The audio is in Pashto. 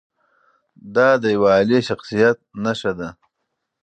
دا د یوه عالي شخصیت نښه ده.